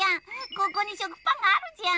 ここにしょくパンがあるじゃん。